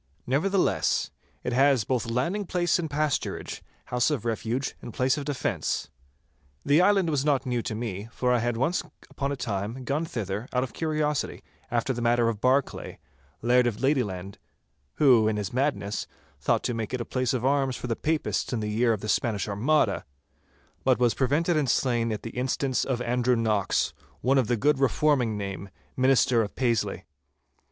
Nevertheless, it has both landing place and pasturage, house of refuge and place of defence. The island was not new to me, for I had once upon a time gone thither out of curiosity after the matter of Barclay, Laird of Ladyland—who, in his madness, thought to make it a place of arms for the Papists in the year of the Spanish Armada, but was prevented and slain at the instance of Andrew Knox, one of the good reforming name, minister of Paisley.